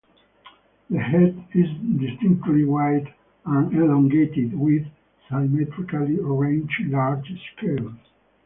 The head is distinctly wide and elongated, with symmetrically arranged large scales.